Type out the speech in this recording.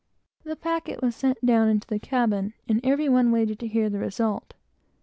The packet was sent down into the cabin, and every one waited to hear of the result.